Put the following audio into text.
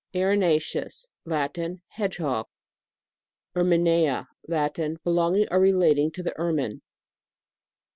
ERINACEUS. Latin. Hedgehog. ERMINEA. Latin. Belonging or re lating to the ermine.